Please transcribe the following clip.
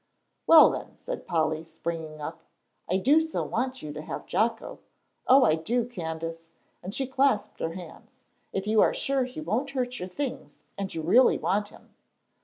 "Well then," cried Polly, springing up, "I do so want you to have Jocko. Oh, I do, Candace," and she clasped her hands. "If you are sure he won't hurt your things and you really want him."